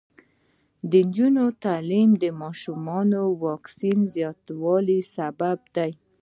د نجونو تعلیم د ماشومانو واکسین زیاتولو سبب دی.